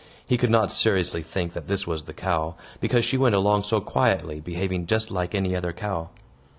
He could not seriously think that this was the cow, because she went along so quietly, behaving just like any other cow.